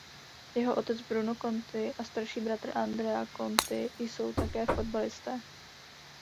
Jeho otec Bruno Conti a starší bratr Andrea Conti jsou také fotbalisté.